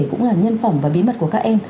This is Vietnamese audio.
cũng là nhân phẩm và bí mật của các em